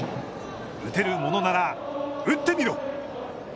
打てるものなら、打ってみろ。